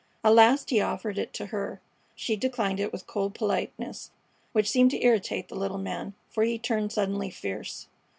At last he offered it to her. She declined it with cold politeness, which seemed to irritate the little man, for he turned suddenly fierce.